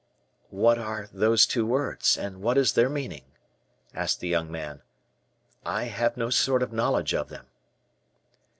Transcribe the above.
"What are those two words, and what is their meaning?" asked the young man; "I have no sort of knowledge of them."